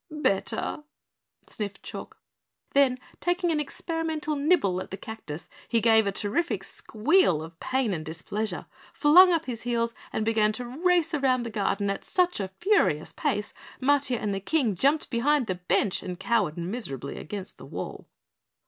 "Better," sniffed Chalk. Then, taking an experimental nibble at the cactus, he gave a terrific squeal of pain and displeasure flung up his heels and began to race around the garden at such a furious pace, Matiah and the King jumped behind the bench and cowered miserably against the wall.